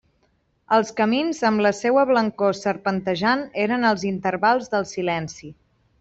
Els camins, amb la seua blancor serpentejant, eren els intervals del silenci.